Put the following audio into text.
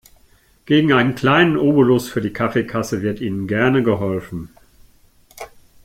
Gegen einen kleinen Obolus für die Kaffeekasse wird Ihnen gerne geholfen.